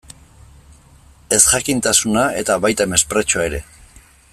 Ezjakintasuna, eta baita mespretxua ere.